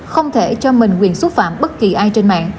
không thể cho mình quyền xúc phạm bất kỳ ai trên mạng